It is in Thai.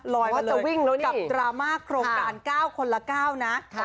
รอยมาเลยกับดราม่าโครงการ๙คนละ๙นะ